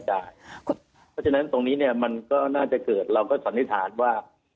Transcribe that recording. เพราะฉะนั้นตรงนี้เนี่ยมันก็น่าจะเกิดเราก็สันนิษฐานว่า